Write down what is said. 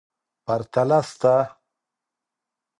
پرتله سته.